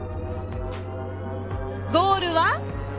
ゴールは。